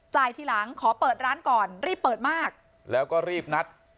ทีหลังขอเปิดร้านก่อนรีบเปิดมากแล้วก็รีบนัด